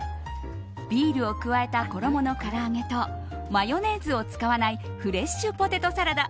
ビールを加えた衣のから揚げとマヨネーズを使わないフレッシュポテトサラダ。